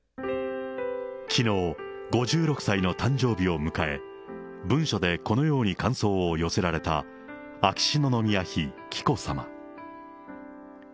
きのう、５６歳の誕生日を迎え、文書でこのように感想を寄せられた、秋篠宮妃紀子さま。